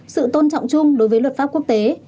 sự tôn trọng chung đối với luật pháp quốc tế